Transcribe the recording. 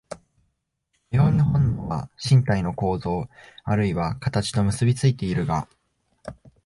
かように本能は身体の構造あるいは形と結び付いているが、